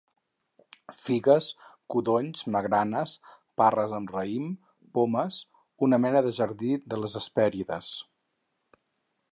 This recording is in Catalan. Figues, codonys, magranes, parres amb raïms, pomes, una mena de jardí de les Hespèrides.